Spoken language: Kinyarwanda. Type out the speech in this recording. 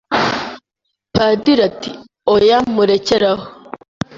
Padiri ati oya murekere aho,